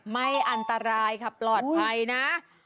ไม่อันตรายค่ะปลอดภัยนะ